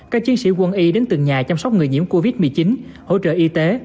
các chiến sĩ quân y đến từng nhà chăm sóc người nhiễm covid một mươi chín hỗ trợ y tế